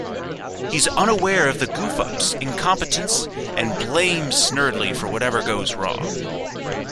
He's unaware of the Goof-Ups' incompetence and blames Snerdley for whatever goes wrong.